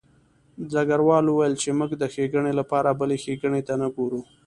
ډګروال وویل چې موږ د ښېګڼې لپاره بلې ښېګڼې ته نه ګورو